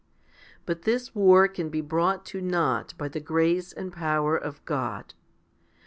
4. But this war can be brought to nought by the grace and power of God.